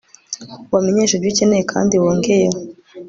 ubamenyeshe ibyo ukeneye kandi wongeyeho